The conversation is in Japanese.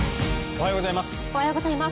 おはようございます。